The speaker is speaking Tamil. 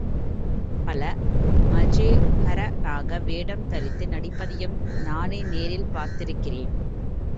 பலர் மஞேஹரனாக வேடம் தரித்து நடிப்பதையும் நானே நேரில் பார்த்திருக்கிறேன்.